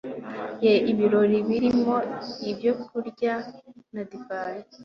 Ye ibirori birimo ibyokurya na divayi